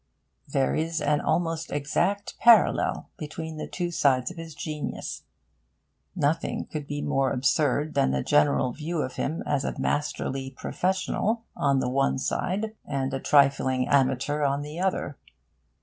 There is an almost exact parallel between the two sides of his genius. Nothing could be more absurd than the general view of him as a masterly professional on the one side and a trifling amateur on the other.